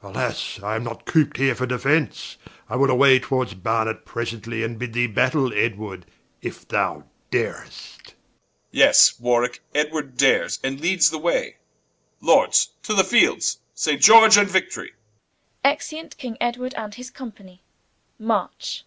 Warw. Alas, I am not coop'd here for defence: I will away towards Barnet presently, And bid thee Battaile, Edward, if thou dar'st Edw. Yes Warwicke, Edward dares, and leads the way: Lords to the field: Saint George, and Victorie. Exeunt. March.